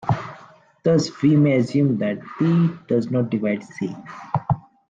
Thus we may assume that "p" does not divide "c".